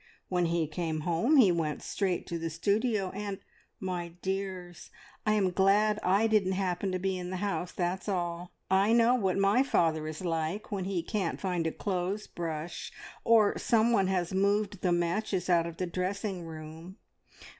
When he came home he went straight to the studio, and my dears! I am glad I didn't happen to be in the house, that's all. I know what my father is like when he can't find a clothes brush, or someone has moved the matches out of the dressing room.